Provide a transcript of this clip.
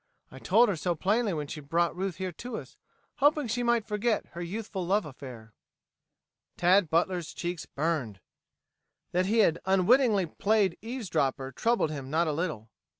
I told her so plainly when she brought Ruth here to us, hoping she might forget her youthful love affair." Tad Butler's cheeks burned. That he had unwittingly played eavesdropper troubled him not a little.